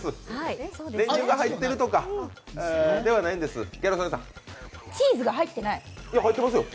練乳が入ってるとかではないんです。